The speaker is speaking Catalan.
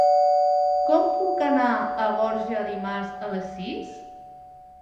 Com puc anar a Gorga dimarts a les sis?